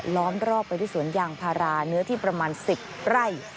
ล้อมรอบไปที่สวนยางพาราเนื้อที่ประมาณ๑๐ไร่